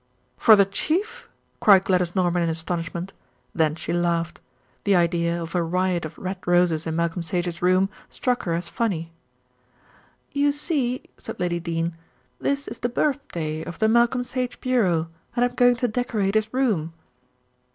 "For the Chief?" cried Gladys Norman in astonishment. Then she laughed. The idea of a riot of red roses in Malcolm Sage's room struck her as funny. "You see," said Lady Dene, "this is the birthday of the Malcolm Sage Bureau, and I'm going to decorate his room."